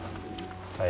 はい。